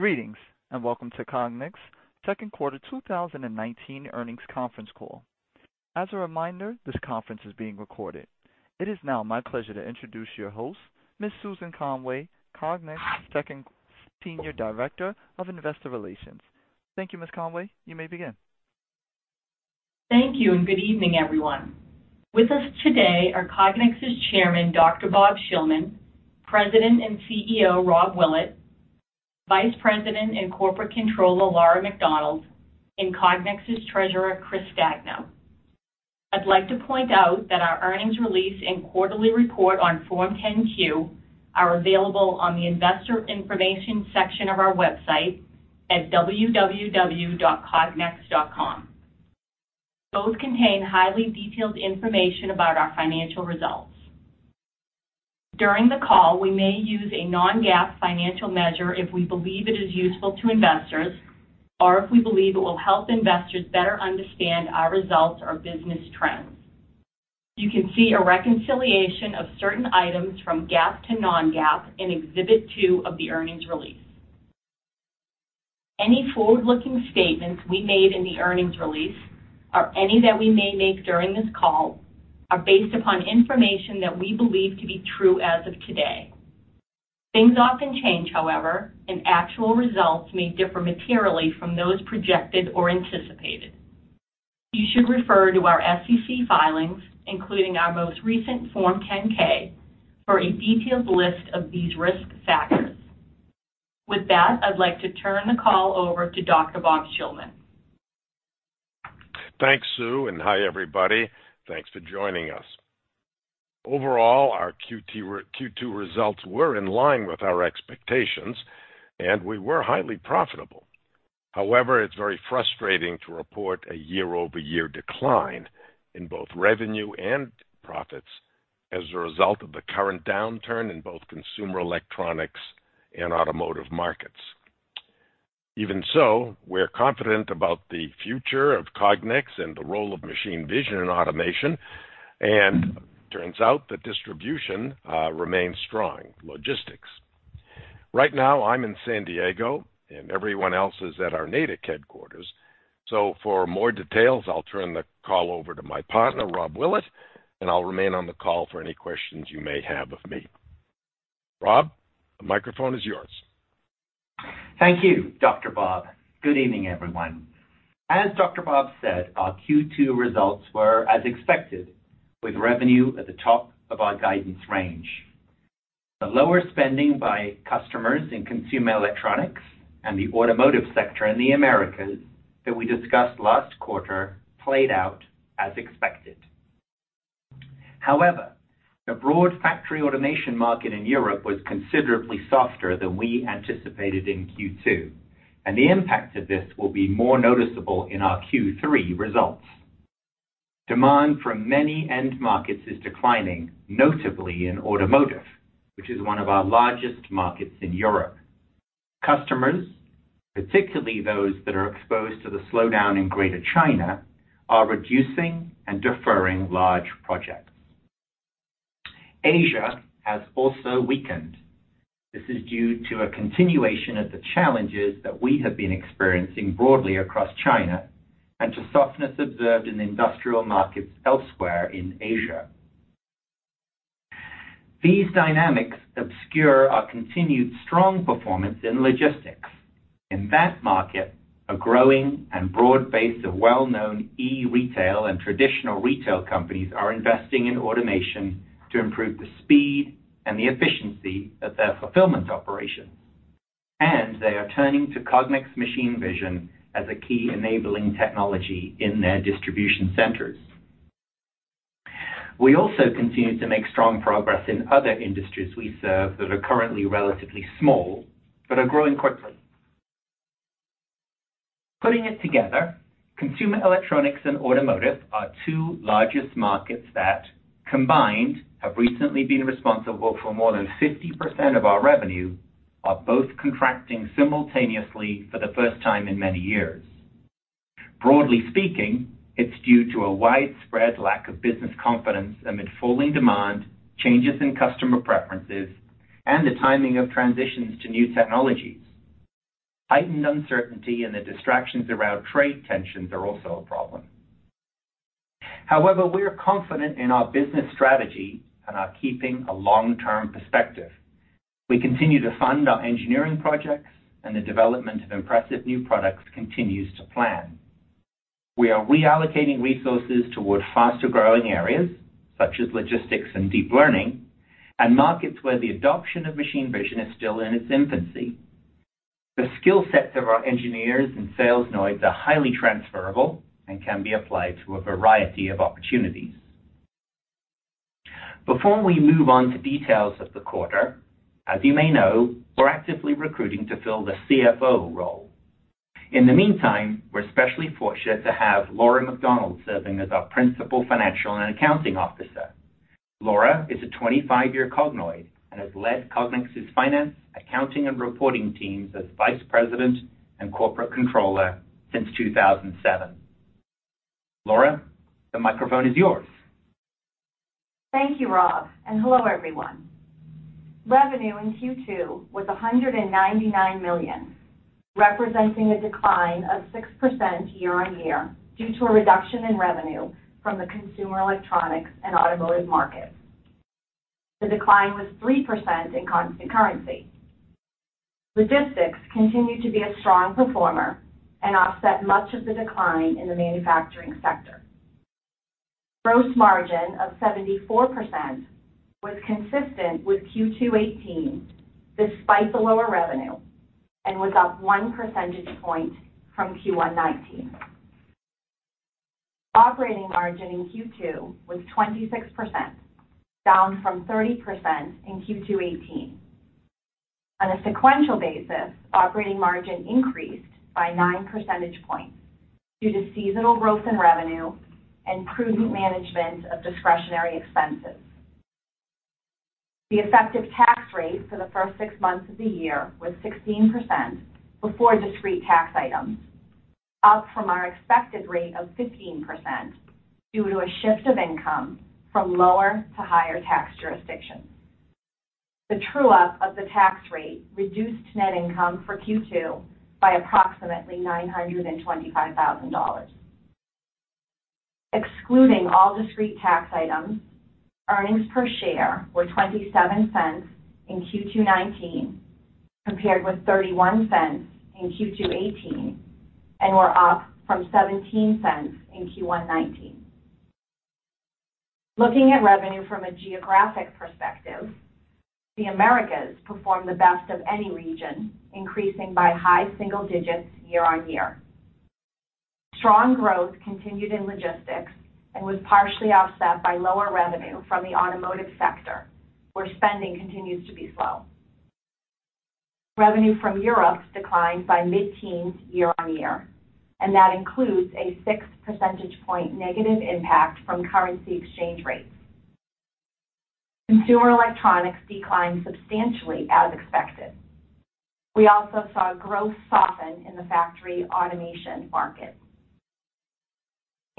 Greetings, welcome to Cognex Second Quarter 2019 Earnings Conference Call. As a reminder, this conference is being recorded. It is now my pleasure to introduce your host, Ms. Susan Conway, Cognex Senior Director of Investor Relations. Thank you, Ms. Conway. You may begin. Thank you, good evening, everyone. With us today are Cognex's Chairman, Dr. Bob Shillman, President and CEO, Rob Willett, Vice President and Corporate Controller, Laura MacDonald, and Cognex's Treasurer, Chris Stagno. I'd like to point out that our earnings release and quarterly report on Form 10-Q are available on the investor information section of our website at www.cognex.com. Both contain highly detailed information about our financial results. During the call, we may use a non-GAAP financial measure if we believe it is useful to investors or if we believe it will help investors better understand our results or business trends. You can see a reconciliation of certain items from GAAP to non-GAAP in Exhibit 2 of the earnings release. Any forward-looking statements we made in the earnings release or any that we may make during this call are based upon information that we believe to be true as of today. Things often change, however, actual results may differ materially from those projected or anticipated. You should refer to our SEC filings, including our most recent Form 10-K, for a detailed list of these risk factors. With that, I'd like to turn the call over to Dr. Bob Shillman. Thanks, Sue. Hi, everybody. Thanks for joining us. Overall, our Q2 results were in line with our expectations, and we were highly profitable. However, it's very frustrating to report a year-over-year decline in both revenue and profits as a result of the current downturn in both consumer electronics and automotive markets. Even so, we're confident about the future of Cognex and the role of machine vision and automation, and it turns out that distribution remains strong, logistics. Right now, I'm in San Diego, and everyone else is at our Natick headquarters. For more details, I'll turn the call over to my partner, Rob Willett, and I'll remain on the call for any questions you may have of me. Rob, the microphone is yours. Thank you, Dr. Bob. Good evening, everyone. As Dr. Bob said, our Q2 results were as expected, with revenue at the top of our guidance range. The lower spending by customers in consumer electronics and the automotive sector in the Americas that we discussed last quarter played out as expected. However, the broad factory automation market in Europe was considerably softer than we anticipated in Q2, and the impact of this will be more noticeable in our Q3 results. Demand from many end markets is declining, notably in automotive, which is one of our largest markets in Europe. Customers, particularly those that are exposed to the slowdown in Greater China, are reducing and deferring large projects. Asia has also weakened. This is due to a continuation of the challenges that we have been experiencing broadly across China and to softness observed in industrial markets elsewhere in Asia. These dynamics obscure our continued strong performance in logistics. In that market, a growing and broad base of well-known e-retail and traditional retail companies are investing in automation to improve the speed and the efficiency of their fulfillment operations. They are turning to Cognex Machine Vision as a key enabling technology in their distribution centers. We also continue to make strong progress in other industries we serve that are currently relatively small, but are growing quickly. Putting it together, consumer electronics and automotive are two largest markets that, combined, have recently been responsible for more than 50% of our revenue, are both contracting simultaneously for the first time in many years. Broadly speaking, it's due to a widespread lack of business confidence amid falling demand, changes in customer preferences, and the timing of transitions to new technologies. Heightened uncertainty and the distractions around trade tensions are also a problem. However, we are confident in our business strategy and are keeping a long-term perspective. We continue to fund our engineering projects, and the development of impressive new products continues to plan. We are reallocating resources toward faster-growing areas, such as logistics and deep learning, and markets where the adoption of machine vision is still in its infancy. The skill sets of our engineers and sales Cognoids are highly transferable and can be applied to a variety of opportunities. Before we move on to details of the quarter, as you may know, we're actively recruiting to fill the CFO role. In the meantime, we're especially fortunate to have Laura MacDonald serving as our Principal Financial and Accounting Officer. Laura is a 25-year Cognoid and has led Cognex's finance, accounting, and reporting teams as Vice President and Corporate Controller since 2007. Laura, the microphone is yours. Thank you, Rob. Hello, everyone. Revenue in Q2 was $199 million, representing a decline of 6% year-on-year due to a reduction in revenue from the consumer electronics and automotive markets. The decline was 3% in constant currency. Logistics continued to be a strong performer and offset much of the decline in the manufacturing sector. Gross margin of 74% was consistent with Q2 2018, despite the lower revenue, and was up one percentage point from Q1 2019. Operating margin in Q2 was 26%, down from 30% in Q2 2018. On a sequential basis, operating margin increased by 9 percentage points due to seasonal growth in revenue and prudent management of discretionary expenses. The effective tax rate for the first six months of the year was 16% before discrete tax items, up from our expected rate of 15%, due to a shift of income from lower to higher tax jurisdictions. The true-up of the tax rate reduced net income for Q2 by approximately $925,000. Excluding all discrete tax items, earnings per share were $0.27 in Q2 2019, compared with $0.31 in Q2 2018, and were up from $0.17 in Q1 2019. Looking at revenue from a geographic perspective, the Americas performed the best of any region, increasing by high single digits year-on-year. Strong growth continued in logistics and was partially offset by lower revenue from the automotive sector, where spending continues to be slow. Revenue from Europe declined by mid-teens year-on-year, and that includes a 6 percentage point negative impact from currency exchange rates. Consumer electronics declined substantially as expected. We also saw growth soften in the factory automation market.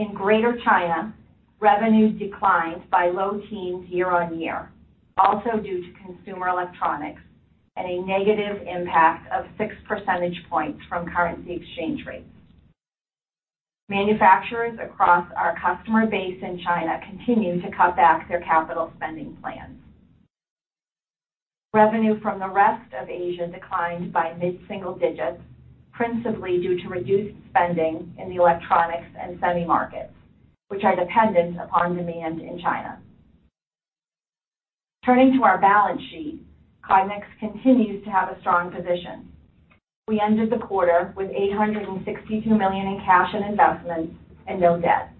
In Greater China, revenue declined by low teens year-on-year, also due to consumer electronics, and a negative impact of 6 percentage points from currency exchange rates. Manufacturers across our customer base in China continue to cut back their capital spending plans. Revenue from the rest of Asia declined by mid-single digits, principally due to reduced spending in the electronics and semi markets, which are dependent on demand in China. Turning to our balance sheet, Cognex continues to have a strong position. We ended the quarter with $862 million in cash and investments and no debt.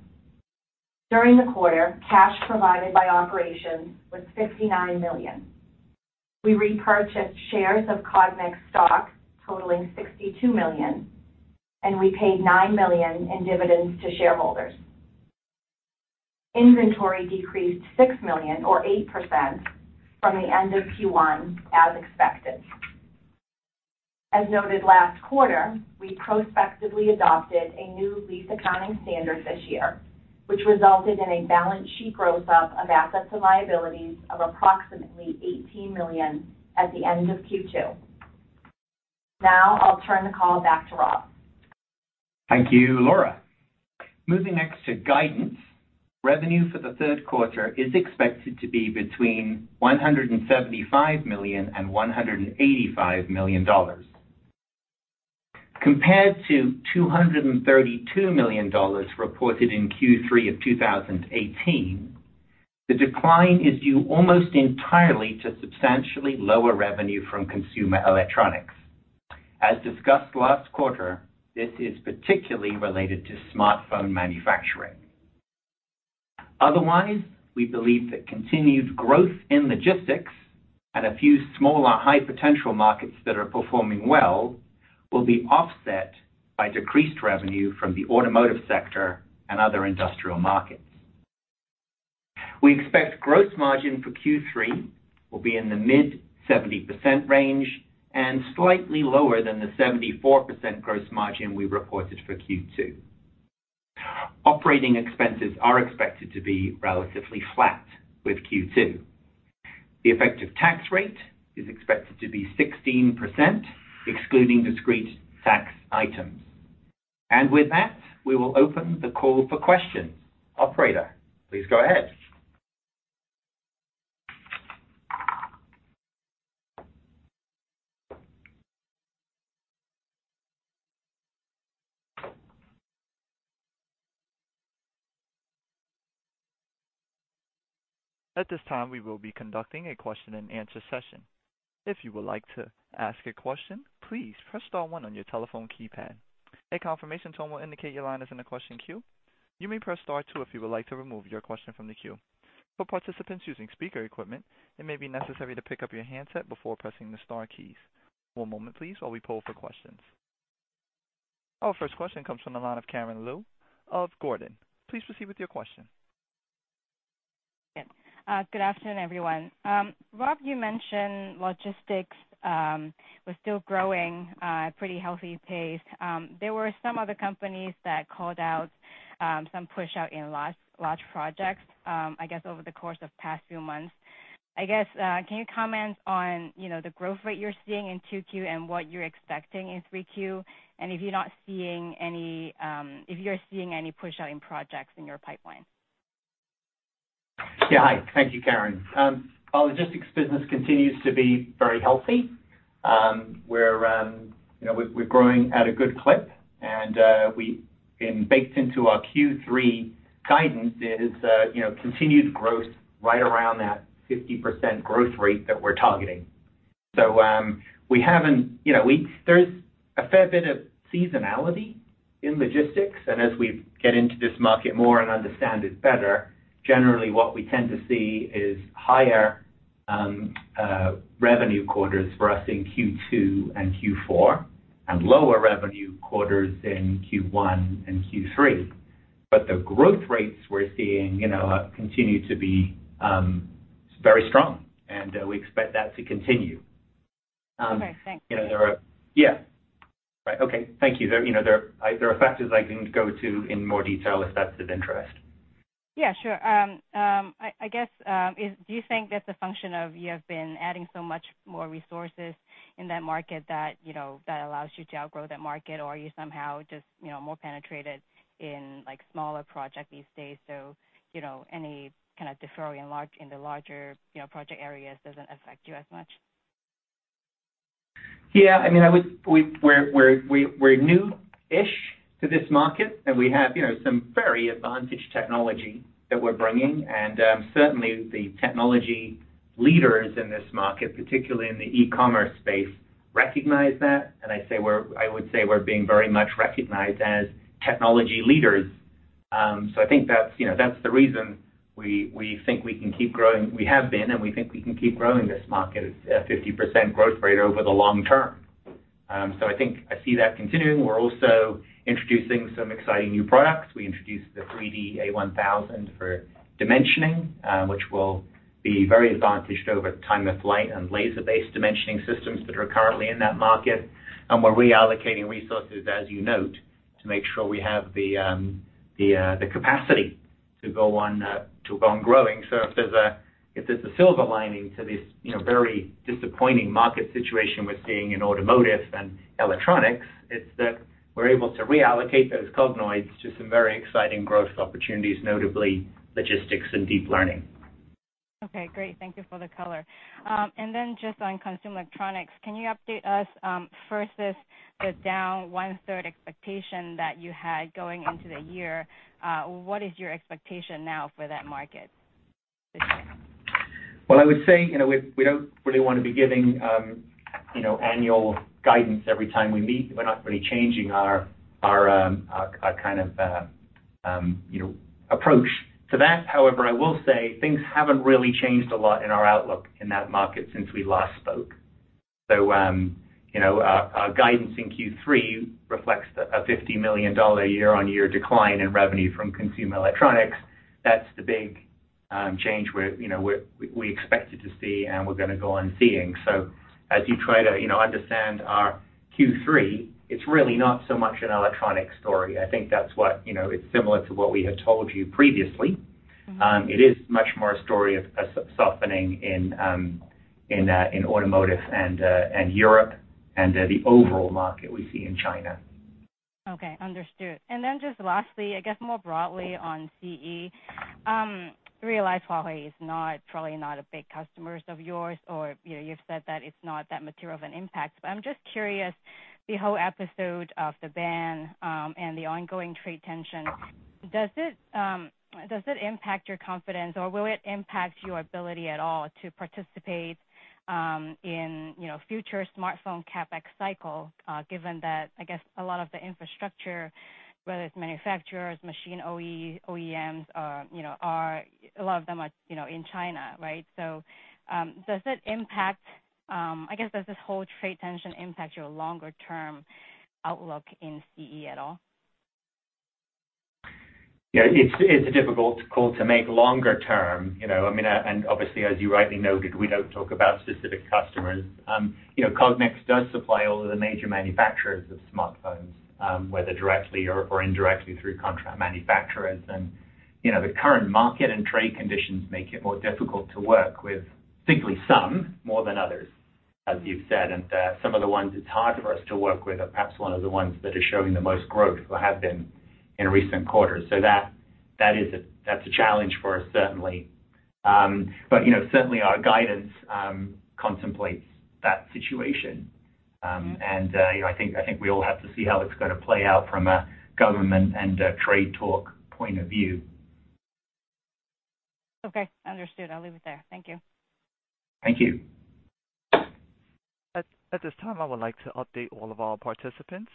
During the quarter, cash provided by operations was $59 million. We repurchased shares of Cognex stock totaling $62 million, and we paid $9 million in dividends to shareholders. Inventory decreased $6 million, or 8%, from the end of Q1 as expected. As noted last quarter, we prospectively adopted a new lease accounting standard this year, which resulted in a balance sheet growth up of assets and liabilities of approximately $18 million at the end of Q2. Now I'll turn the call back to Rob. Thank you, Laura. Moving next to guidance. Revenue for the third quarter is expected to be between $175 million and $185 million. Compared to $232 million reported in Q3 of 2018, the decline is due almost entirely to substantially lower revenue from consumer electronics. As discussed last quarter, this is particularly related to smartphone manufacturing. Otherwise, we believe that continued growth in logistics and a few smaller, high-potential markets that are performing well will be offset by decreased revenue from the automotive sector and other industrial markets. We expect gross margin for Q3 will be in the mid-70% range and slightly lower than the 74% gross margin we reported for Q2. Operating expenses are expected to be relatively flat with Q2. The effective tax rate is expected to be 16%, excluding discrete tax items. With that, we will open the call for questions. Operator, please go ahead. At this time, we will be conducting a question-and-answer session. If you would like to ask a question, please press star one on your telephone keypad. A confirmation tone will indicate your line is in the question queue. You may press star two if you would like to remove your question from the queue. For participants using speaker equipment, it may be necessary to pick up your handset before pressing the star keys. One moment please while we poll for questions. Our first question comes from the line of Karen Lau of Gordon. Please proceed with your question. Good afternoon, everyone. Rob, you mentioned logistics was still growing at a pretty healthy pace. There were some other companies that called out some push out in large projects, I guess, over the course of past few months. I guess, can you comment on the growth rate you're seeing in 2Q and what you're expecting in 3Q, and if you're seeing any push out in projects in your pipeline? Yeah. Hi. Thank you, Karen. Our logistics business continues to be very healthy. We're growing at a good clip, and we've been baked into our Q3 guidance is continued growth right around that 50% growth rate that we're targeting. There's a fair bit of seasonality in logistics, and as we get into this market more and understand it better, generally, what we tend to see is higher revenue quarters for us in Q2 and Q4, and lower revenue quarters in Q1 and Q3. The growth rates we're seeing continue to be very strong, and we expect that to continue. Okay, thanks. Yeah. Right. Okay, thank you. There are factors I can go to in more detail if that's of interest. Yeah, sure. I guess, do you think that the function of you have been adding so much more resources in that market that allows you to outgrow that market? Are you somehow just more penetrated in smaller project these days, so any kind of deferral in the larger project areas doesn't affect you as much? Yeah, we're new-ish to this market, and we have some very advantage technology that we're bringing. Certainly the technology leaders in this market, particularly in the e-commerce space, recognize that. I would say we're being very much recognized as technology leaders. I think that's the reason we think we can keep growing. We have been, and we think we can keep growing this market at a 50% growth rate over the long term. I think I see that continuing. We're also introducing some exciting new products. We introduced the 3D-A1000 for dimensioning, which will be very advantaged over time of flight and laser-based dimensioning systems that are currently in that market. We're reallocating resources, as you note, to make sure we have the capacity to go on growing. If there's a silver lining to this very disappointing market situation we're seeing in automotive and electronics, it's that we're able to reallocate those Cognoids to some very exciting growth opportunities, notably logistics and deep learning. Okay, great. Thank you for the color. Just on consumer electronics, can you update us, first the down one-third expectation that you had going into the year, what is your expectation now for that market this year? Well, I would say, we don't really want to be giving annual guidance every time we meet. We're not really changing our kind of approach to that. However, I will say things haven't really changed a lot in our outlook in that market since we last spoke. Our guidance in Q3 reflects a $50 million year-on-year decline in revenue from consumer electronics. That's the big change we expected to see, and we're going to go on seeing. As you try to understand our Q3, it's really not so much an electronic story. I think that's what is similar to what we had told you previously. It is much more a story of a softening in automotive and Europe and the overall market we see in China. Okay. Understood. Just lastly, I guess more broadly on CE, realize Huawei is probably not a big customers of yours or you've said that it's not that material of an impact, but I'm just curious, the whole episode of the ban, and the ongoing trade tension, does it impact your confidence or will it impact your ability at all to participate in future smartphone CapEx cycle? Given that, I guess a lot of the infrastructure, whether it's manufacturers, machine OEMs, a lot of them are in China, right? Does this whole trade tension impact your longer-term outlook in CE at all? Yeah. It's a difficult call to make longer term. Obviously, as you rightly noted, we don't talk about specific customers. Cognex does supply all of the major manufacturers of smartphones, whether directly or indirectly through contract manufacturers. The current market and trade conditions make it more difficult to work with simply some more than others, as you've said. Some of the ones it's hard for us to work with are perhaps some of the ones that are showing the most growth or have been in recent quarters. That's a challenge for us, certainly. Certainly, our guidance contemplates that situation. I think we all have to see how it's going to play out from a government and a trade talk point of view. Okay, understood. I'll leave it there. Thank you. Thank you. At this time, I would like to update all of our participants.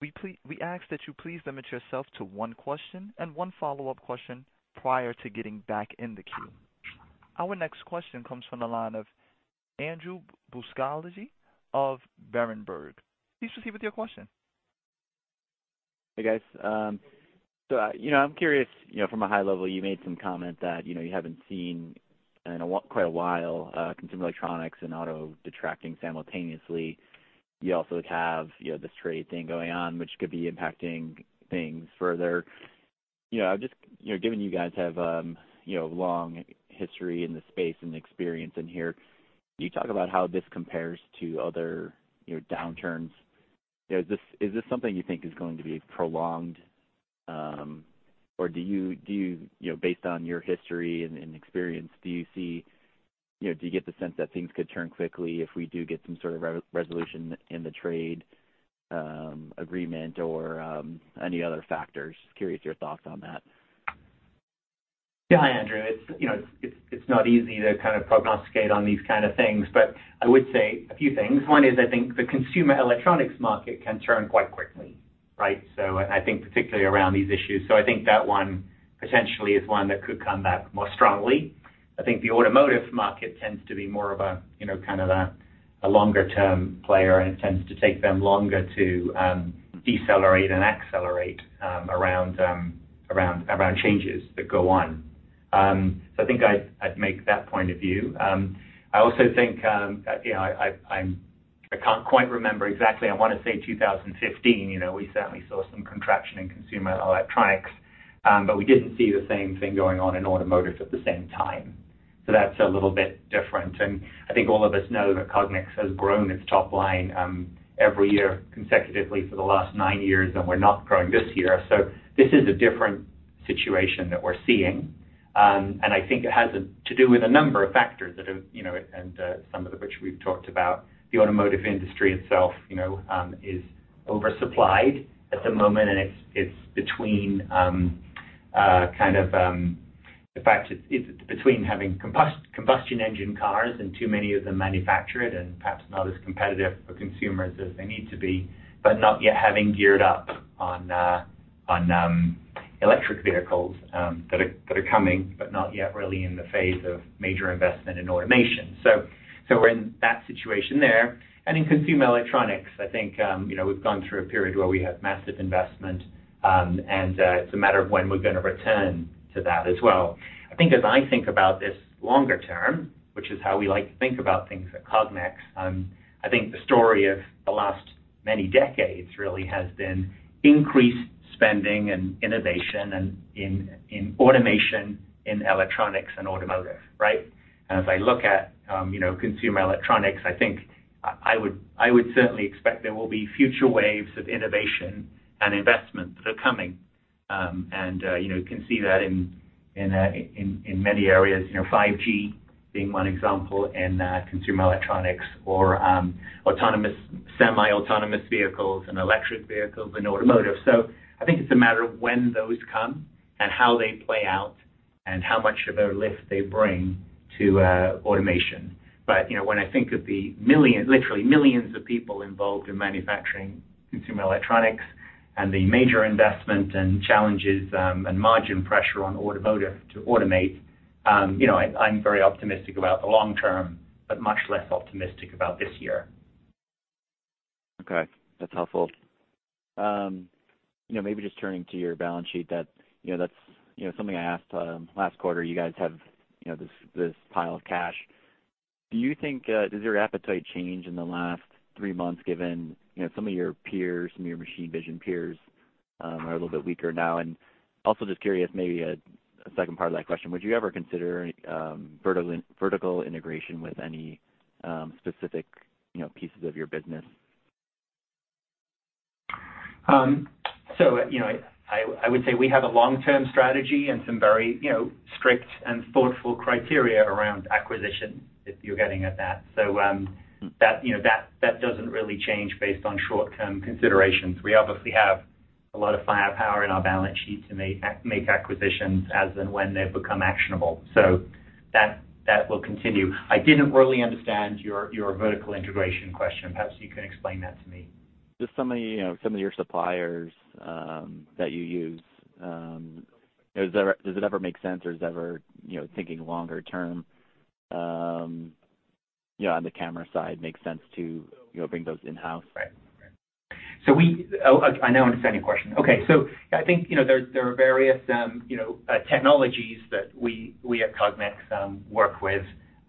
We ask that you please limit yourself to one question and one follow-up question prior to getting back in the queue. Our next question comes from the line of Andrew Buscaglia of Berenberg. Please proceed with your question. Hey, guys. I'm curious from a high level, you made some comment that you haven't seen in quite a while, consumer electronics and auto detracting simultaneously. You also have this trade thing going on, which could be impacting things further. Given you guys have long history in the space and experience in here, can you talk about how this compares to other downturns? Is this something you think is going to be prolonged? Based on your history and experience, do you get the sense that things could turn quickly if we do get some sort of resolution in the trade agreement or any other factors? Just curious your thoughts on that. Yeah. Hi, Andrew. It's not easy to kind of prognosticate on these kind of things. I would say a few things. One is I think the consumer electronics market can turn quite quickly, right? I think particularly around these issues. I think that one potentially is one that could come back more strongly. I think the automotive market tends to be more of a kind of a longer-term player, and it tends to take them longer to decelerate and accelerate around changes that go on. I think I'd make that point of view. I also think, I can't quite remember exactly. I want to say 2015, we certainly saw some contraction in consumer electronics. We didn't see the same thing going on in automotive at the same time. That's a little bit different. I think all of us know that Cognex has grown its top line every year consecutively for the last nine years, and we're not growing this year. This is a different situation that we're seeing. I think it has to do with a number of factors, and some of which we've talked about. The automotive industry itself is oversupplied at the moment, and it's between having combustion engine cars and too many of them manufactured, and perhaps not as competitive for consumers as they need to be, but not yet having geared up on electric vehicles that are coming, but not yet really in the phase of major investment in automation. We're in that situation there. In consumer electronics, I think, we've gone through a period where we had massive investment, and it's a matter of when we're going to return to that as well. I think as I think about this longer term, which is how we like to think about things at Cognex, I think the story of the last many decades really has been increased spending and innovation and in automation in electronics and automotive, right? As I look at consumer electronics, I think I would certainly expect there will be future waves of innovation and investment that are coming. You can see that in many areas, 5G being one example in consumer electronics or autonomous, semi-autonomous vehicles and electric vehicles in automotive. I think it's a matter of when those come and how they play out and how much of a lift they bring to automation. When I think of the literally millions of people involved in manufacturing consumer electronics and the major investment and challenges, and margin pressure on automotive to automate, I'm very optimistic about the long term, but much less optimistic about this year. Okay. That's helpful. Maybe just turning to your balance sheet that's something I asked last quarter. You guys have this pile of cash. Does your appetite change in the last three months, given some of your peers, some of your machine vision peers are a little bit weaker now? Also just curious, maybe a second part of that question, would you ever consider vertical integration with any specific pieces of your business? I would say we have a long-term strategy and some very strict and thoughtful criteria around acquisition, if you're getting at that. That doesn't really change based on short-term considerations. We obviously have a lot of firepower in our balance sheet to make acquisitions as and when they become actionable. That will continue. I didn't really understand your vertical integration question. Perhaps you can explain that to me. Just some of your suppliers that you use. Does it ever make sense, or does it ever, thinking longer term on the camera side make sense to bring those in-house? Right. I now understand your question. Okay. I think there are various technologies that we at Cognex work with.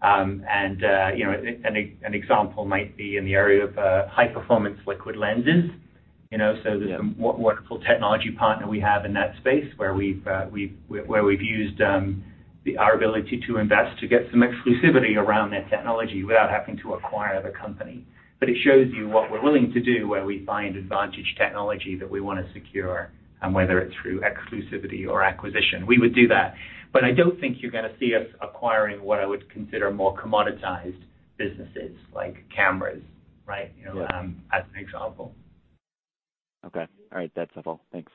An example might be in the area of high-performance liquid lenses. The wonderful technology partner we have in that space where we've used our ability to invest to get some exclusivity around that technology without having to acquire the company. It shows you what we're willing to do, where we find advantage technology that we want to secure, and whether it's through exclusivity or acquisition. We would do that. I don't think you're going to see us acquiring what I would consider more commoditized businesses like cameras, right? Yeah. As an example. Okay. All right. That's helpful. Thanks.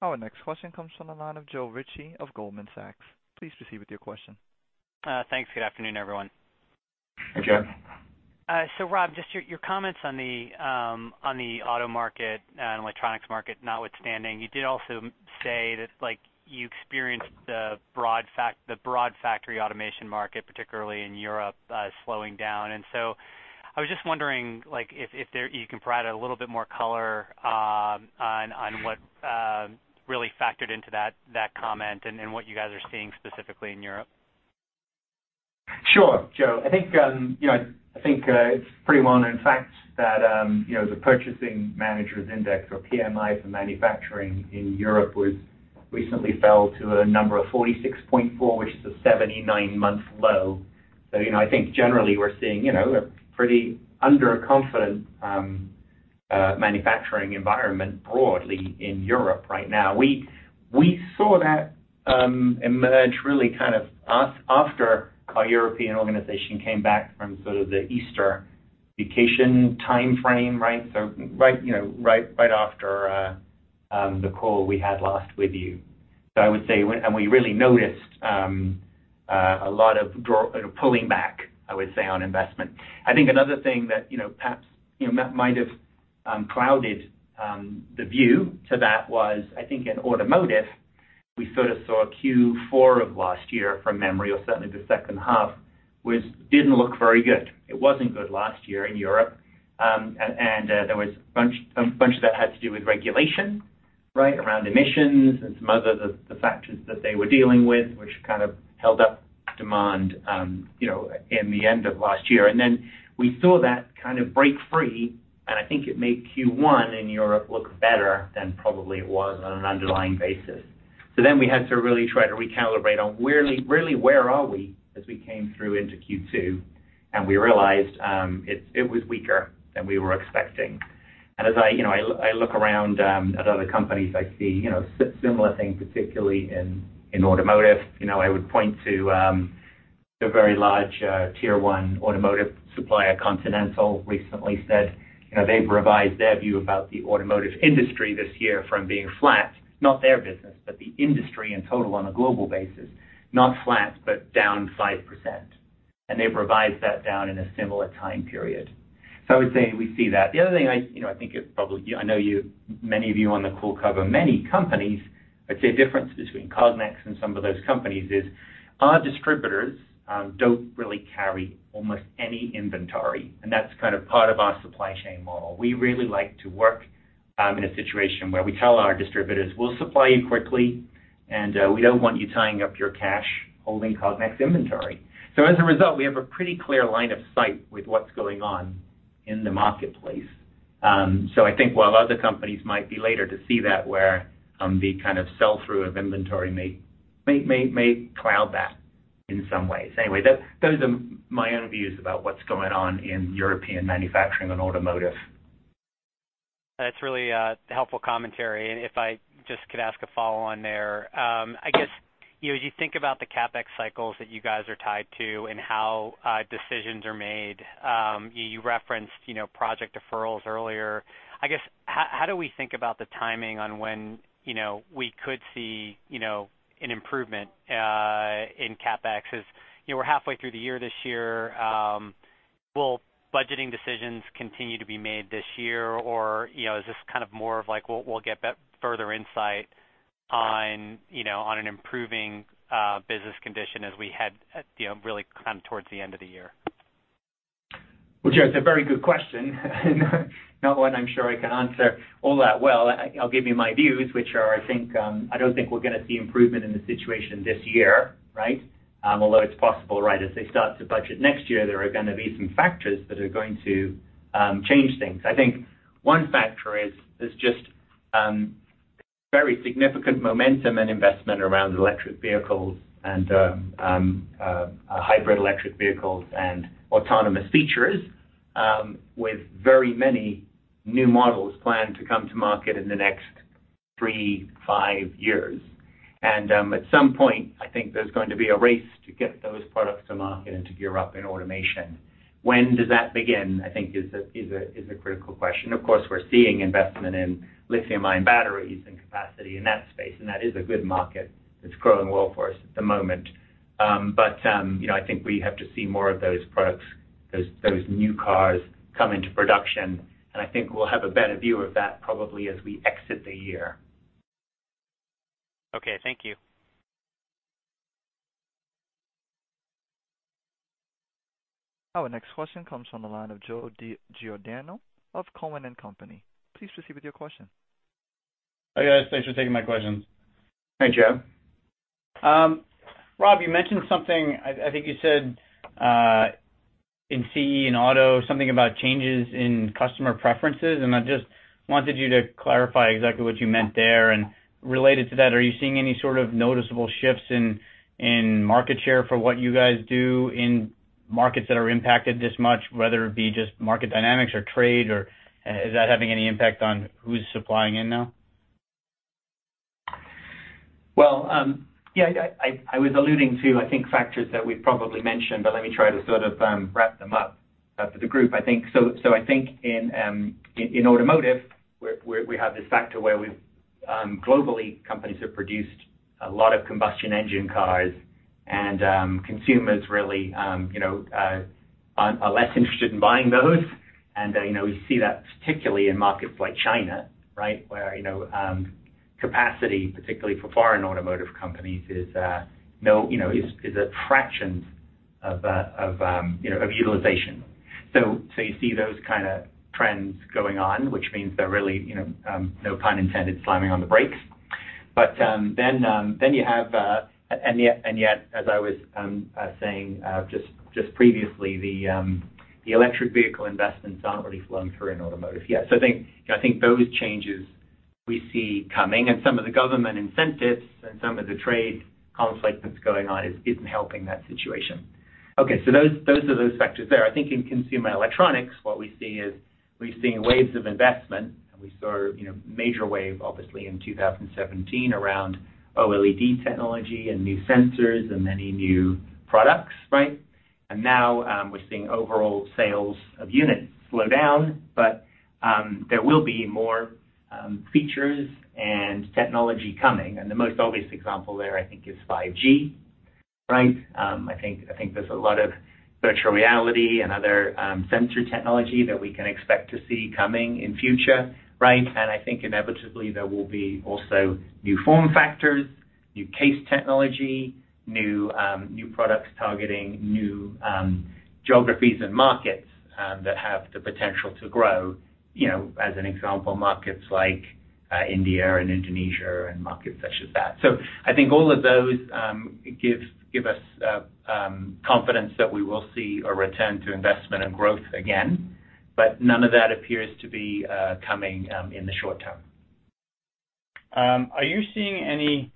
Our next question comes from the line of Joe Ritchie of Goldman Sachs. Please proceed with your question. Thanks. Good afternoon, everyone. Hey, Joe. Rob, just your comments on the auto market and electronics market notwithstanding, you did also say that you experienced the broad factory automation market, particularly in Europe, slowing down, I was just wondering if you can provide a little bit more color on what really factored into that comment and what you guys are seeing specifically in Europe? Sure, Joe. I think it's a pretty well-known fact that the Purchasing Managers' Index, or PMI, for manufacturing in Europe recently fell to a number of 46.4, which is a 79-month low. I think generally we're seeing a pretty under-confident manufacturing environment broadly in Europe right now. We saw that emerge really kind of after our European organization came back from sort of the Easter vacation timeframe. Right after the call we had last with you. I would say, we really noticed a lot of pulling back, I would say, on investment. I think another thing that perhaps might have clouded the view to that was, I think in automotive, we sort of saw Q4 of last year, from memory, or certainly the second half, which didn't look very good. It wasn't good last year in Europe. There was a bunch of that had to do with regulation around emissions and some other of the factors that they were dealing with, which kind of held up demand in the end of last year. We saw that kind of break free, and I think it made Q1 in Europe look better than probably it was on an underlying basis. We had to really try to recalibrate on really, where are we as we came through into Q2, and we realized it was weaker than we were expecting. As I look around at other companies, I see similar things, particularly in automotive. I would point to a very large Tier 1 automotive supplier, Continental, recently said they've revised their view about the automotive industry this year from being flat, not their business, but the industry in total on a global basis, not flat, but down 5%. They revised that down in a similar time period. I would say we see that. The other thing, I think it probably, I know many of you on the call cover many companies. I'd say difference between Cognex and some of those companies is our distributors don't really carry almost any inventory, and that's kind of part of our supply chain model. We really like to work in a situation where we tell our distributors, "We'll supply you quickly, and we don't want you tying up your cash holding Cognex inventory." As a result, we have a pretty clear line of sight with what's going on in the marketplace. I think while other companies might be later to see that, where the kind of sell-through of inventory may cloud that in some ways. Anyway, those are my own views about what's going on in European manufacturing and automotive. That's really helpful commentary. If I just could ask a follow-on there. I guess, as you think about the CapEx cycles that you guys are tied to and how decisions are made, you referenced project deferrals earlier. I guess, how do we think about the timing on when we could see an improvement in CapEx? As we're halfway through the year this year, will budgeting decisions continue to be made this year? Is this kind of more of like, we'll get further insight on an improving business condition as we head really kind of towards the end of the year? Well, Joe, it's a very good question. Not one I'm sure I can answer all that well. I'll give you my views, which are, I don't think we're going to see improvement in the situation this year. Although it's possible as they start to budget next year, there are going to be some factors that are going to change things. I think one factor is, there's just very significant momentum and investment around electric vehicles and hybrid electric vehicles, and autonomous features, with very many new models planned to come to market in the next 3-5 years. At some point, I think there's going to be a race to get those products to market and to gear up in automation. When does that begin, I think is a critical question. Of course, we're seeing investment in lithium-ion batteries and capacity in that space, and that is a good market that's growing well for us at the moment. I think we have to see more of those products, those new cars come into production, and I think we'll have a better view of that probably as we exit the year. Okay. Thank you. Our next question comes from the line of Joe Giordano of Cowen and Company. Please proceed with your question. Hi, guys. Thanks for taking my questions. Hi, Joe. Rob, you mentioned something, I think you said, in CE, in auto, something about changes in customer preferences. I just wanted you to clarify exactly what you meant there. Related to that, are you seeing any sort of noticeable shifts in market share for what you guys do in markets that are impacted this much, whether it be just market dynamics or trade, or is that having any impact on who's supplying it now? Yeah, I was alluding to, I think, factors that we've probably mentioned, but let me try to sort of wrap them up. For the group, I think in automotive, where we have this factor where globally, companies have produced a lot of combustion engine cars and consumers really are less interested in buying those. I know we see that particularly in markets like China, where capacity, particularly for foreign automotive companies, is a fraction of utilization. You see those kind of trends going on, which means they're really, no pun intended, slamming on the brakes. You have, and yet, as I was saying just previously, the electric vehicle investments aren't really flowing through in automotive yet. I think those changes we see coming, and some of the government incentives and some of the trade conflict that's going on isn't helping that situation. Okay, those are those factors there. I think in consumer electronics, what we see is we've seen waves of investment. We saw a major wave, obviously, in 2017 around OLED technology and new sensors and many new products. Right? Now we're seeing overall sales of units slow down, but there will be more features and technology coming. The most obvious example there, I think, is 5G. Right? I think there's a lot of virtual reality and other sensor technology that we can expect to see coming in future. Right? I think inevitably there will be also new form factors, new case technology, new products targeting new geographies and markets that have the potential to grow, as an example, markets like India and Indonesia and markets such as that. I think all of those give us confidence that we will see a return to investment and growth again, but none of that appears to be coming in the short term. Are you seeing any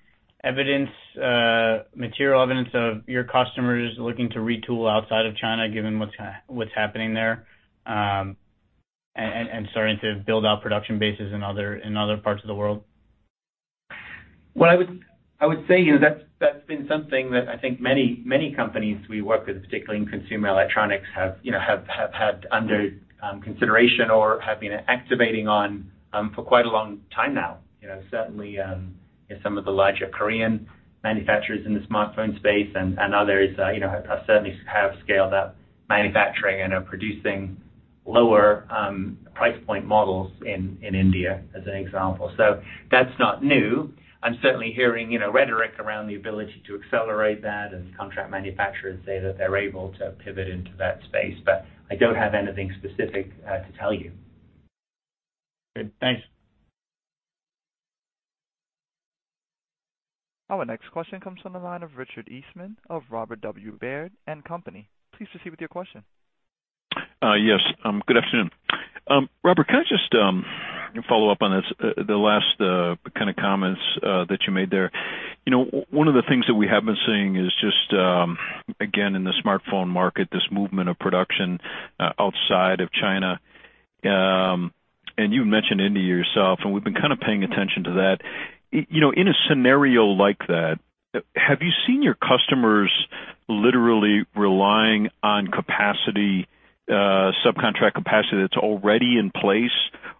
material evidence of your customers looking to retool outside of China, given what's happening there, and starting to build out production bases in other parts of the world? What I would say, that's been something that I think many companies we work with, particularly in consumer electronics, have had under consideration or have been activating on for quite a long time now. Certainly, some of the larger Korean manufacturers in the smartphone space and others certainly have scaled up manufacturing and are producing lower price point models in India, as an example. That's not new. I'm certainly hearing rhetoric around the ability to accelerate that, and contract manufacturers say that they're able to pivot into that space, but I don't have anything specific to tell you. Good. Thanks. Our next question comes from the line of Richard Eastman of Robert W Baird & Company. Please proceed with your question. Yes, good afternoon. Rob, can I just follow up on the last kind of comments that you made there? One of the things that we have been seeing is just, again, in the smartphone market, this movement of production outside of China. You had mentioned India yourself, and we've been kind of paying attention to that. In a scenario like that, have you seen your customers literally relying on subcontract capacity that's already in place?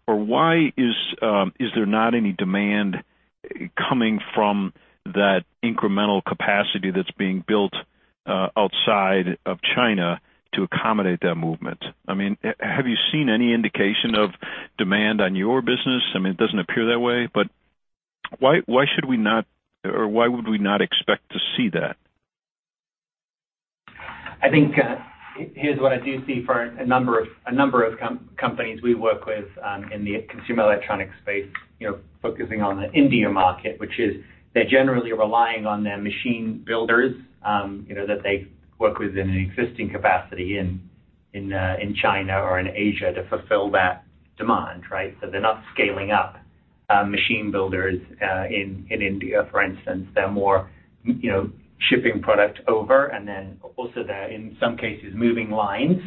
Why is there not any demand coming from that incremental capacity that's being built outside of China to accommodate that movement? Have you seen any indication of demand on your business? It doesn't appear that way, but why should we not, or why would we not expect to see that? I think here's what I do see for a number of companies we work with in the consumer electronics space, focusing on the India market, which is they're generally relying on their machine builders that they work with in an existing capacity in China or in Asia to fulfill that demand, right? They're not scaling up machine builders in India, for instance. They're more shipping product over, and then also they're, in some cases, moving lines,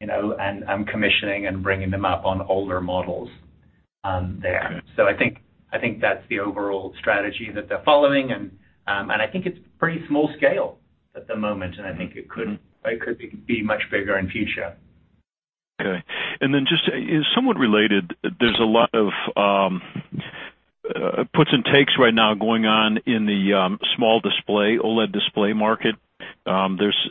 and commissioning and bringing them up on older models there. I think that's the overall strategy that they're following, and I think it's pretty small scale at the moment, and I think it could be much bigger in future. Okay. Just somewhat related, there's a lot of puts and takes right now going on in the small display, OLED display market. There's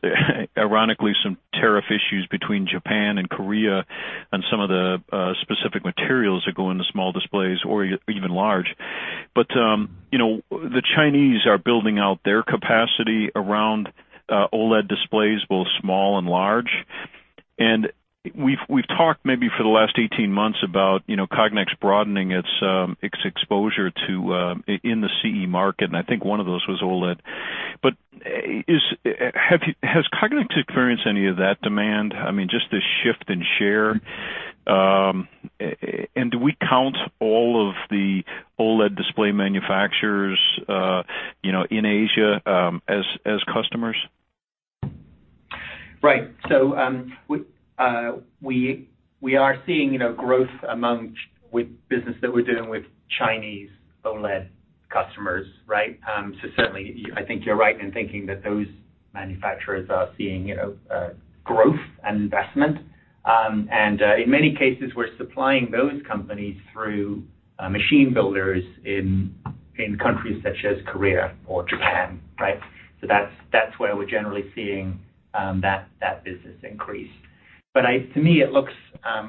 ironically some tariff issues between Japan and Korea on some of the specific materials that go into small displays or even large. The Chinese are building out their capacity around OLED displays, both small and large. We've talked maybe for the last 18 months about Cognex broadening its exposure in the CE market, and I think one of those was OLED. Has Cognex experienced any of that demand, just the shift in share? Do we count all of the OLED display manufacturers in Asia as customers? Right. We are seeing growth with business that we're doing with Chinese OLED customers, right? Certainly, I think you're right in thinking that those manufacturers are seeing growth and investment. In many cases, we're supplying those companies through machine builders in countries such as Korea or Japan. Right? That's where we're generally seeing that business increase. To me, it looks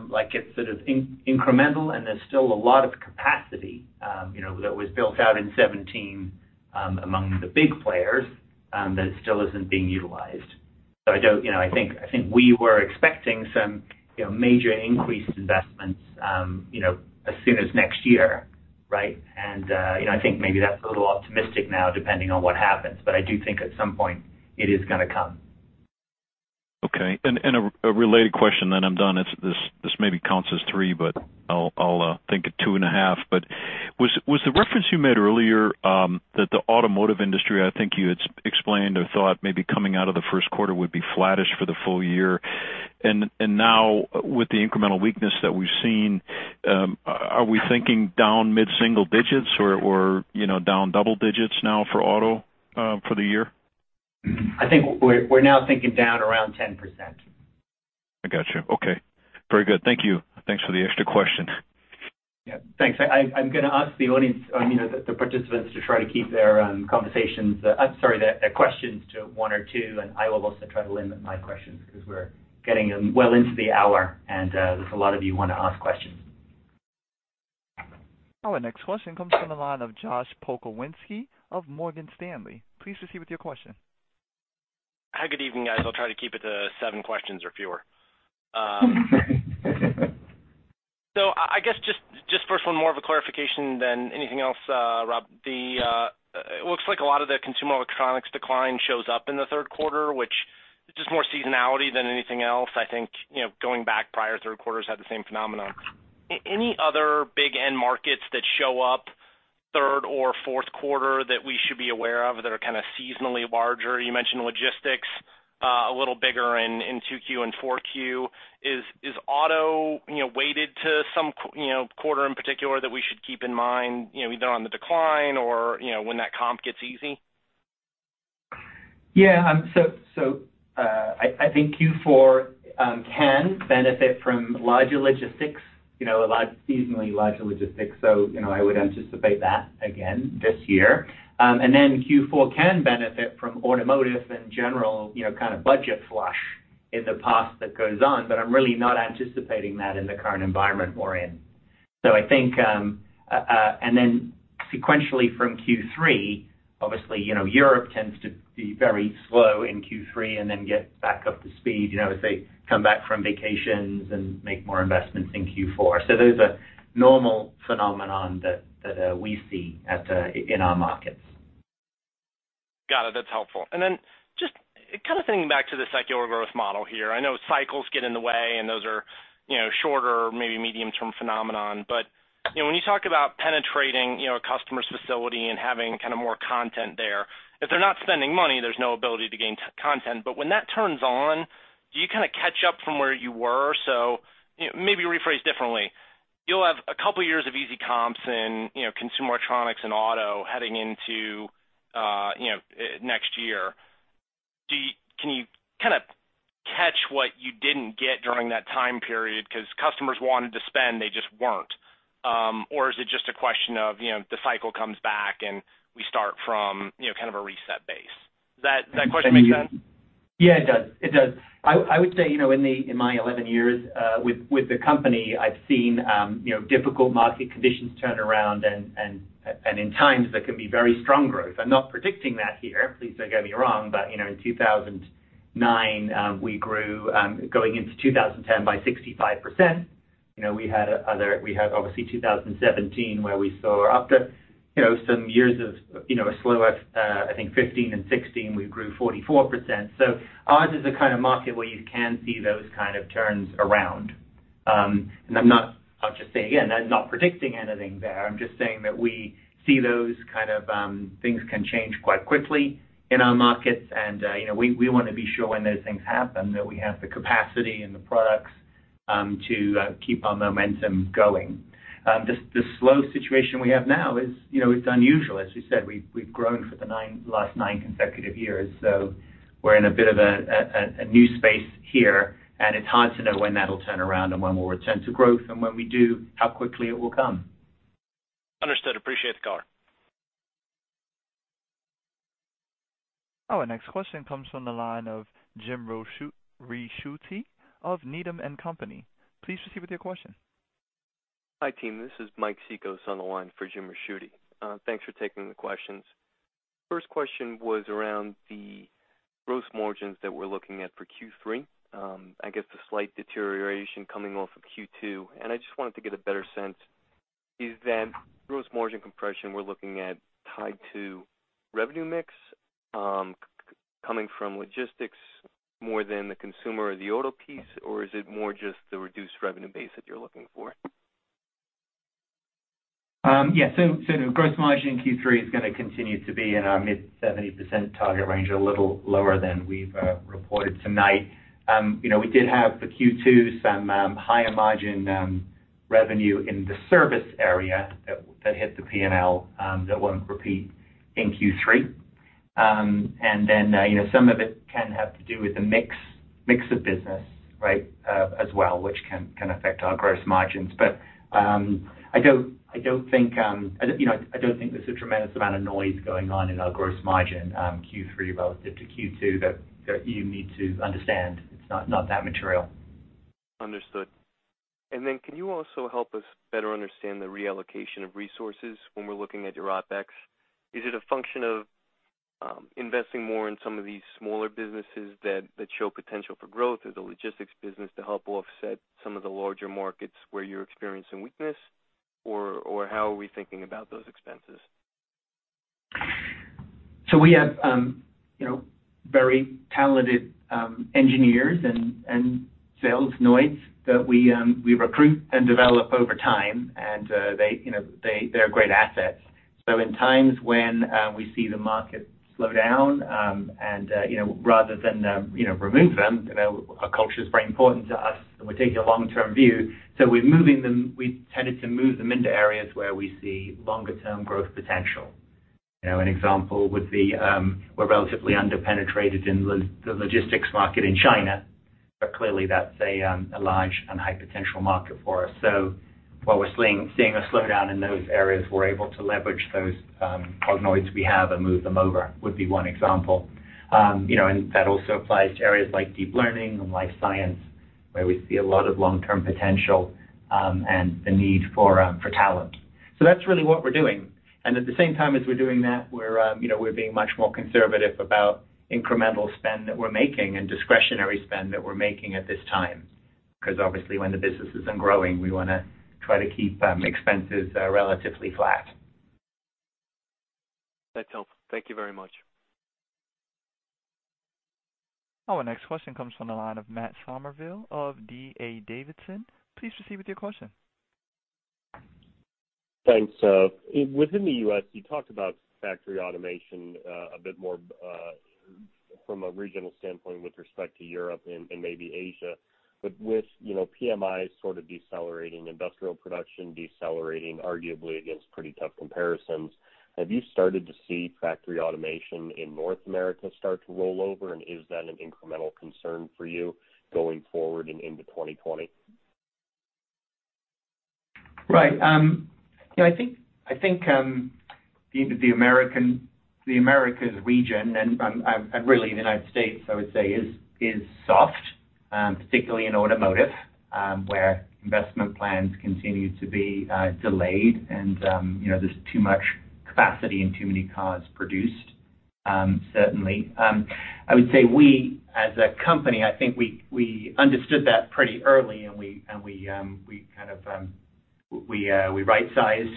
like it's sort of incremental, and there's still a lot of capacity that was built out in 2017, among the big players, that still isn't being utilized. I think we were expecting some major increased investments as soon as next year. Right? I think maybe that's a little optimistic now depending on what happens, but I do think at some point it is going to come. Okay. A related question then I'm done. This maybe counts as three, but I'll think a two and a half. Was the reference you made earlier, that the automotive industry, I think you had explained or thought maybe coming out of the first quarter would be flattish for the full year, and now with the incremental weakness that we've seen, are we thinking down mid-single digits or down double digits now for auto, for the year? I think we're now thinking down around 10%. I got you. Okay. Very good. Thank you. Thanks for the extra question. Yeah, thanks. I'm going to ask the audience, the participants to try to keep their conversations, I'm sorry, their questions to one or two, and I will also try to limit my questions because we're getting well into the hour, and there's a lot of you who want to ask questions. Our next question comes from the line of Josh Pokrzywinski of Morgan Stanley. Please proceed with your question. Hi, good evening, guys. I'll try to keep it to seven questions or fewer. I guess just first one, more of a clarification than anything else, Rob. It looks like a lot of the consumer electronics decline shows up in the third quarter, which is just more seasonality than anything else. I think, going back, prior third quarters had the same phenomenon. Any other big end markets that show up third or fourth quarter that we should be aware of that are kind of seasonally larger? You mentioned logistics, a little bigger in 2Q and 4Q. Is auto weighted to some quarter in particular that we should keep in mind, either on the decline or when that comp gets easy? I think Q4 can benefit from larger logistics, a lot seasonally larger logistics. I would anticipate that again this year. Q4 can benefit from automotive and general kind of budget flush in the past that goes on. I'm really not anticipating that in the current environment we're in. Sequentially from Q3, obviously, Europe tends to be very slow in Q3 and then gets back up to speed, as they come back from vacations and make more investments in Q4. Those are normal phenomenon that we see in our markets. Got it. That's helpful. Just kind of thinking back to the secular growth model here, I know cycles get in the way, and those are shorter, maybe medium-term phenomenon, but when you talk about penetrating a customer's facility and having kind of more content there, if they're not spending money, there's no ability to gain content. When that turns on, do you kind of catch up from where you were? Maybe rephrase differently. You'll have a couple of years of easy comps in consumer electronics and auto heading into next year. Can you kind of catch what you didn't get during that time period because customers wanted to spend, they just weren't? Is it just a question of the cycle comes back and we start from kind of a reset base? Does that question make sense? Yeah, it does. I would say, in my 11 years, with the company, I've seen difficult market conditions turn around and in times there can be very strong growth. I'm not predicting that here. Please don't get me wrong, in 2009, we grew, going into 2010 by 65%. We had obviously 2017 where we saw after some years of a slower, I think 2015 and 2016, we grew 44%. Ours is the kind of market where you can see those kind of turns around. I'm just saying, again, I'm not predicting anything there. I'm just saying that we see those kind of things can change quite quickly in our markets, and we want to be sure when those things happen, that we have the capacity and the products to keep our momentum going. The slow situation we have now is unusual. As you said, we've grown for the last nine consecutive years, so we're in a bit of a new space here, and it's hard to know when that'll turn around and when we'll return to growth, and when we do, how quickly it will come. Understood. Appreciate the color. Our next question comes from the line of Jim Ricchiuti of Needham & Company. Please proceed with your question. Hi, team. This is Mike Cikos on the line for Jim Ricchiuti. Thanks for taking the questions. First question was around the gross margins that we're looking at for Q3. I guess the slight deterioration coming off of Q2, and I just wanted to get a better sense, is that gross margin compression we're looking at tied to revenue mix, coming from logistics more than the consumer or the auto piece, or is it more just the reduced revenue base that you're looking for? Gross margin in Q3 is going to continue to be in our mid-70% target range, a little lower than we've reported tonight. We did have for Q2 some higher margin revenue in the service area that hit the P&L, that won't repeat in Q3. Some of it can have to do with the mix of business, as well, which can affect our gross margins. I don't think there's a tremendous amount of noise going on in our gross margin Q3 relative to Q2 that you need to understand. It's not that material. Understood. Can you also help us better understand the reallocation of resources when we're looking at your OpEx? Is it a function of investing more in some of these smaller businesses that show potential for growth as a logistics business to help offset some of the larger markets where you're experiencing weakness? How are we thinking about those expenses? We have very talented engineers and sales Cognoids that we recruit and develop over time, and they're great assets. In times when we see the market slow down and rather than remove them, our culture is very important to us, and we're taking a long-term view. We've tended to move them into areas where we see longer term growth potential. An example would be, we're relatively under-penetrated in the logistics market in China, but clearly that's a large and high potential market for us. While we're seeing a slowdown in those areas, we're able to leverage those Cognoids we have and move them over, would be one example. That also applies to areas like deep learning and life science, where we see a lot of long-term potential, and the need for talent. That's really what we're doing, and at the same time as we're doing that, we're being much more conservative about incremental spend that we're making and discretionary spend that we're making at this time, because obviously when the business isn't growing, we want to try to keep expenses relatively flat. That's helpful. Thank you very much. Our next question comes from the line of Matt Summerville of D.A. Davidson. Please proceed with your question. Thanks. Within the U.S., you talked about factory automation, a bit more, from a regional standpoint with respect to Europe and maybe Asia. With PMIs sort of decelerating, industrial production decelerating arguably against pretty tough comparisons, have you started to see factory automation in North America start to roll over, and is that an incremental concern for you going forward and into 2020? Right. I think the Americas region and really the U.S., I would say is soft, particularly in automotive, where investment plans continue to be delayed and there's too much capacity and too many cars produced, certainly. I would say we as a company, I think we understood that pretty early, and we right-sized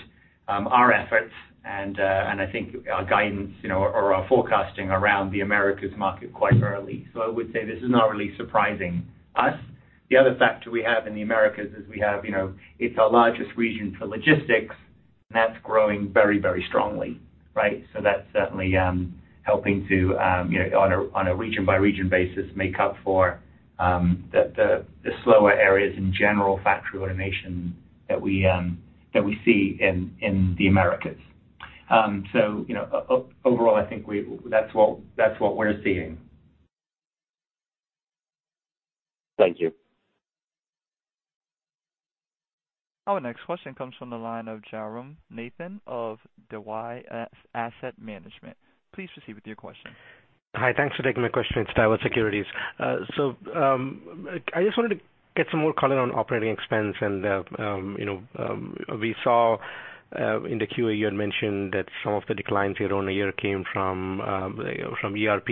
our efforts and I think our guidance or our forecasting around the Americas market quite early. I would say this is not really surprising us. The other factor we have in the Americas is it's our largest region for logistics, and that's growing very strongly, right? That's certainly helping to, on a region-by-region basis, make up for the slower areas in general factory automation that we see in the Americas. Overall, I think that's what we're seeing. Thank you. Our next question comes from the line of Jairam Nathan of Daiwa Asset Management. Please proceed with your question. Hi, thanks for taking my question. It's Daiwa Securities. I just wanted to get some more color on operating expense, and we saw in the QA, you had mentioned that some of the declines year-over-year came from ERP,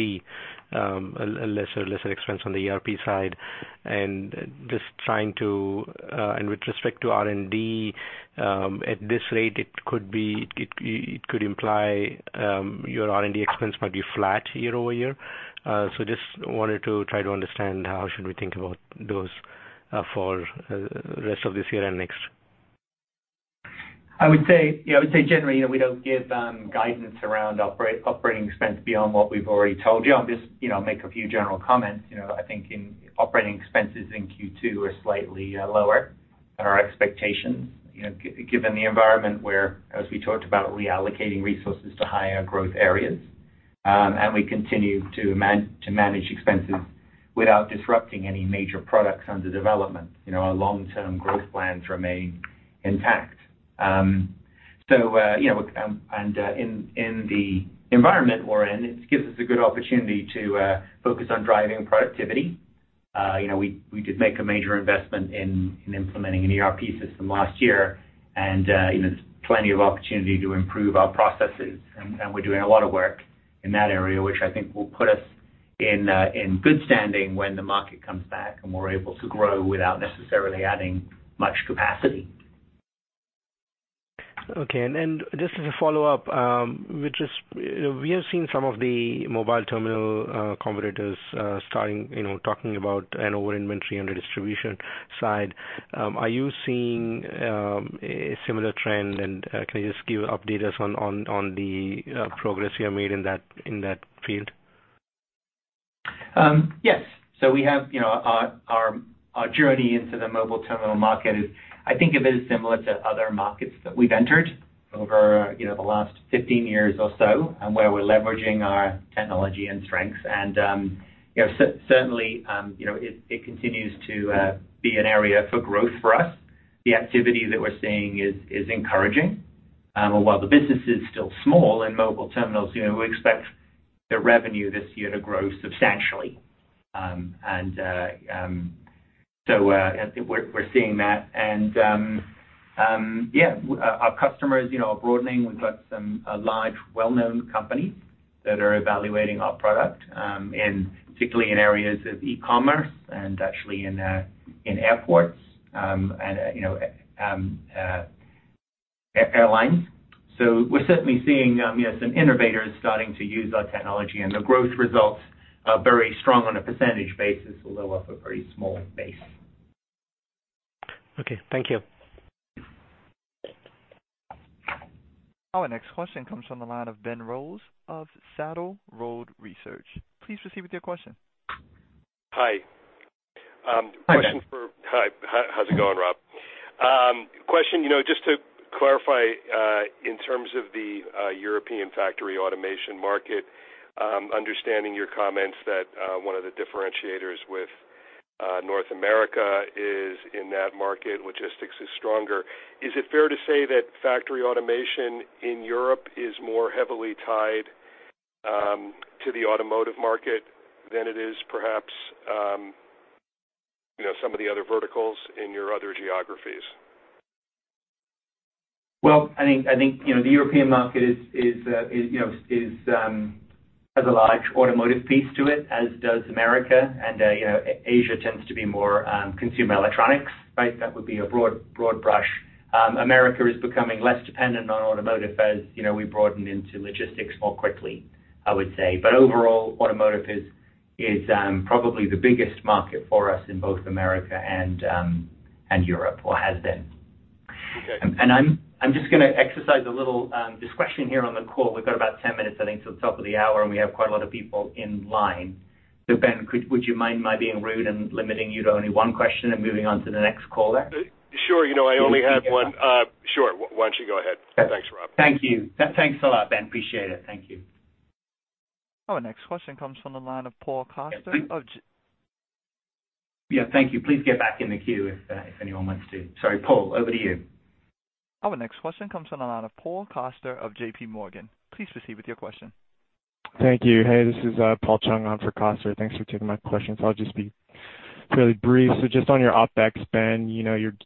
a lesser expense on the ERP side. With respect to R&D, at this rate, it could imply your R&D expense might be flat year-over-year. I just wanted to try to understand how should we think about those for the rest of this year and next. I would say generally, we don't give guidance around operating expense beyond what we've already told you. I'll just make a few general comments. I think in operating expenses in Q2 are slightly lower than our expectations, given the environment where, as we talked about, reallocating resources to higher growth areas. We continue to manage expenses without disrupting any major products under development. Our long-term growth plans remain intact. In the environment we're in, it gives us a good opportunity to focus on driving productivity. We did make a major investment in implementing an ERP system last year, and there's plenty of opportunity to improve our processes. We're doing a lot of work in that area, which I think will put us in good standing when the market comes back, and we're able to grow without necessarily adding much capacity. Just as a follow-up, we have seen some of the mobile terminal competitors starting, talking about an over-inventory on the distribution side. Are you seeing a similar trend, and can you just update us on the progress you have made in that field? Yes. We have our journey into the mobile terminal market is, I think of it as similar to other markets that we've entered over the last 15 years or so, and where we're leveraging our technology and strengths and, certainly, it continues to be an area for growth for us. The activity that we're seeing is encouraging. While the business is still small in mobile terminals, we expect the revenue this year to grow substantially. We're seeing that. Yeah, our customers are broadening. We've got some large, well-known companies that are evaluating our product, and particularly in areas of e-commerce and actually in airports, and airlines. We're certainly seeing some innovators starting to use our technology, and the growth results are very strong on a percentage basis, although off a very small base. Okay. Thank you. Our next question comes from the line of Ben Rose of Battle Road Research. Please proceed with your question. Hi. Hi, Ben. Hi. How's it going, Rob? Question, just to clarify, in terms of the European factory automation market, understanding your comments that one of the differentiators with North America is in that market, logistics is stronger. Is it fair to say that factory automation in Europe is more heavily tied to the automotive market than it is perhaps some of the other verticals in your other geographies? Well, I think, the European market has a large automotive piece to it, as does America. Asia tends to be more consumer electronics, right? That would be a broad brush. America is becoming less dependent on automotive as we broaden into logistics more quickly, I would say. Overall, automotive is probably the biggest market for us in both America and Europe, or has been. Okay. I'm just going to exercise a little discretion here on the call. We've got about 10 minutes, I think, till the top of the hour, and we have quite a lot of people in line. Ben, would you mind my being rude and limiting you to only one question and moving on to the next caller? Sure. I only had one. Sure. Why don't you go ahead. Thanks, Rob. Thank you. Thanks a lot, Ben. Appreciate it. Thank you. Our next question comes from the line of Paul Coster. Yeah, thank you. Please get back in the queue if anyone wants to. Sorry, Paul, over to you. Our next question comes from the line of Paul Coster of JPMorgan. Please proceed with your question. Thank you. Hey, this is Paul Chung on for Coster. Thanks for taking my question. I'll just be fairly brief. Just on your OpEx spend, you're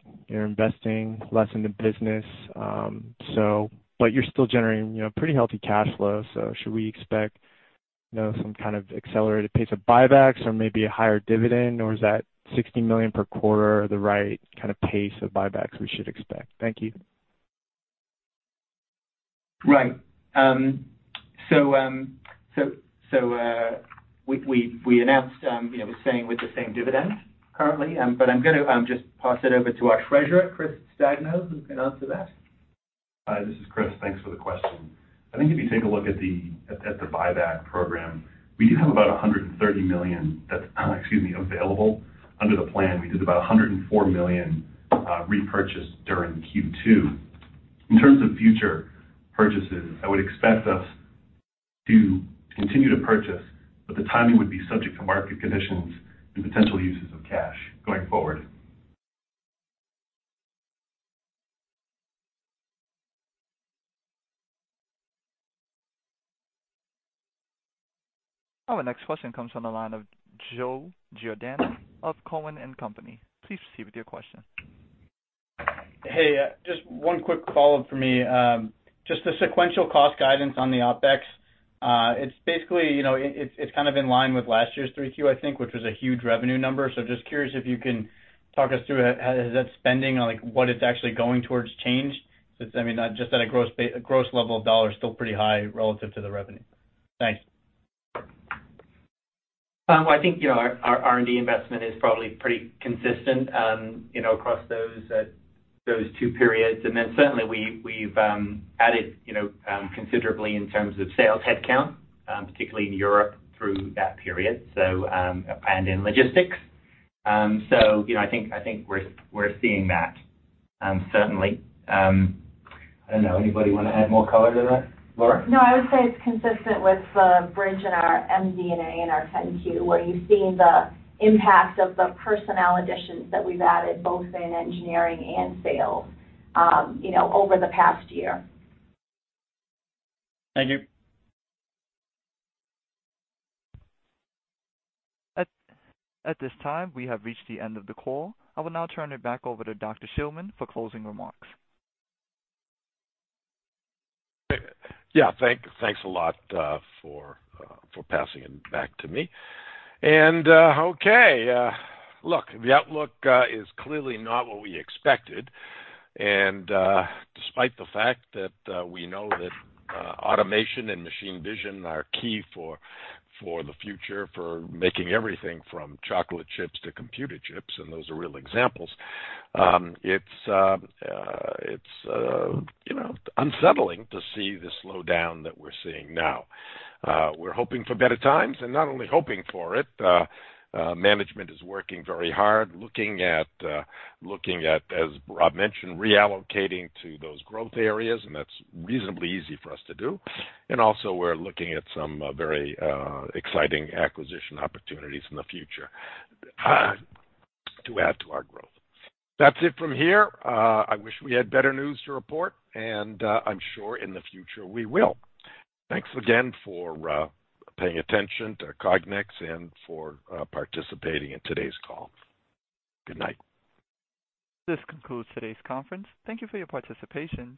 investing less in the business. You're still generating pretty healthy cash flow. Should we expect some kind of accelerated pace of buybacks or maybe a higher dividend, or is that $60 million per quarter the right kind of pace of buybacks we should expect? Thank you. Right. We announced we're staying with the same dividend currently, but I'm going to just pass it over to our Treasurer, Chris Stagno, who can answer that. Hi, this is Chris. Thanks for the question. I think if you take a look at the buyback program, we do have about $130 million that's, excuse me, available under the plan. We did about $104 million repurchase during Q2. In terms of future purchases, I would expect us to continue to purchase, but the timing would be subject to market conditions and potential uses of cash going forward. Our next question comes from the line of Joe Giordano of Cowen and Company. Please proceed with your question. Hey, just one quick follow-up for me. The sequential cost guidance on the OpEx, it's basically in line with last year's Q3, I think, which was a huge revenue number. Curious if you can talk us through, has that spending on what it's actually going towards changed since, I mean, just at a gross level dollar, still pretty high relative to the revenue. Thanks. Well, I think, our R&D investment is probably pretty consistent across those two periods. Certainly we've added considerably in terms of sales headcount, particularly in Europe through that period, and in logistics. I think we're seeing that certainly. I don't know, anybody want to add more color to that? Laura? No, I would say it's consistent with the bridge in our MD&A and our 10-Q, where you've seen the impact of the personnel additions that we've added both in engineering and sales over the past year. Thank you. At this time, we have reached the end of the call. I will now turn it back over to Dr. Shillman for closing remarks. Yeah. Thanks a lot for passing it back to me. Okay. Look, the outlook is clearly not what we expected, and despite the fact that we know that automation and machine vision are key for the future, for making everything from chocolate chips to computer chips, and those are real examples, it's unsettling to see the slowdown that we're seeing now. We're hoping for better times, and not only hoping for it, management is working very hard looking at, as Rob mentioned, reallocating to those growth areas, and that's reasonably easy for us to do. Also we're looking at some very exciting acquisition opportunities in the future to add to our growth. That's it from here. I wish we had better news to report, and I'm sure in the future we will. Thanks again for paying attention to Cognex and for participating in today's call. Good night. This concludes today's conference. Thank you for your participation.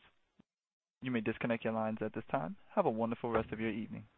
You may disconnect your lines at this time. Have a wonderful rest of your evening.